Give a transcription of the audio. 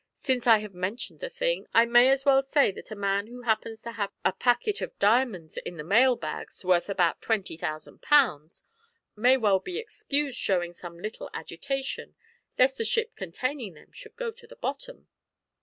Since I have mentioned the thing, I may as well say that a man who happens to have a packet of diamonds in the mail bags worth about twenty thousand pounds, may well be excused showing some little agitation lest the ship containing them should go to the bottom."